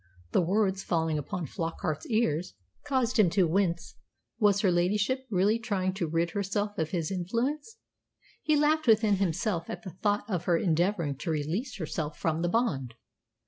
The words, falling upon Flockart's ears, caused him to wince. Was her ladyship really trying to rid herself of his influence? He laughed within himself at the thought of her endeavouring to release herself from the bond.